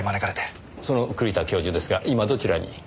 その栗田教授ですが今どちらに？